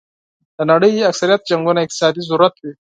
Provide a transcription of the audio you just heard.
د نړۍ اکثریت جنګونه اقتصادي ضرورت وي.